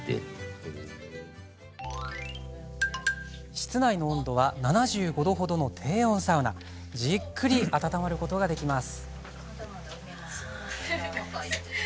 室内の温度は７５度ほどの低温サウナじっくり温まることができます。